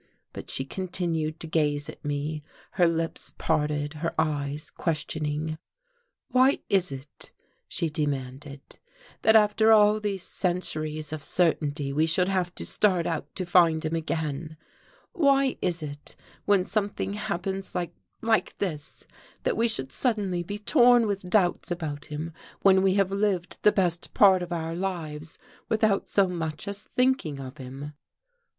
But she continued to gaze at me, her lips parted, her eyes questioning. "Why is it," she demanded, "that after all these centuries of certainty we should have to start out to find him again? Why is it when something happens like like this, that we should suddenly be torn with doubts about him, when we have lived the best part of our lives without so much as thinking of him?"